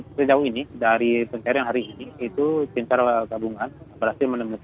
dan sejauh ini dari pencarian hari ini itu sintia raya kabungan berhasil menemukan